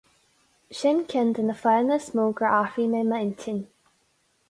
Sin ceann de na fáthanna is mó gur athruigh mé m'intinn.